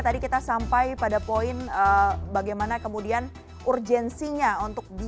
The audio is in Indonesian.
artinya ada dua masalah